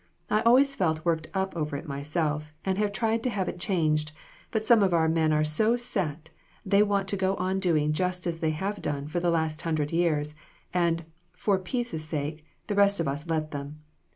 I always felt worked up over it myself, and have tried to have it changed, but some of our men are so set, they want to go on doing just as they have done for the last hundred years, and, for peace' sake, the rest of us let them.